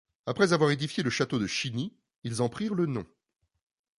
Après avoir édifié le château de Chiny, ils en prirent le nom.